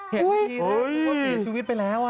เห็นจี๊งสีชีวิตไปแล้ว